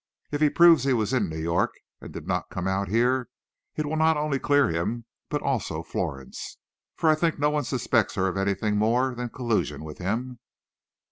If he proves he was in New York, and did not come out here, it will not only clear him, but also Florence. For I think no one suspects her of anything more than collusion with him."